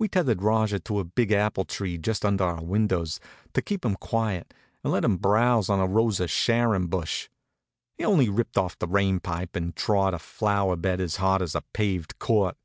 We tethered Rajah to a big apple tree just under our windows to keep him quiet, and let him browse on a Rose of Sharon bush. He only ripped off the rain pipe and trod a flower bed as hard as a paved court.